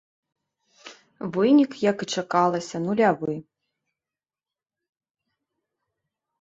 Вынік, як і чакалася, нулявы.